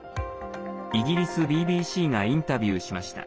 イギリスＢＢＣがインタビューしました。